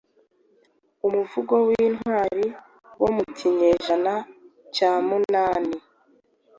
Umuvugo wintwari wo mu kinyejana cya munani